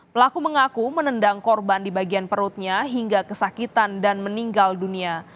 pelaku mengaku menendang korban di bagian perutnya hingga kesakitan dan meninggal dunia